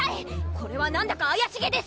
これはなんだかあやしげです！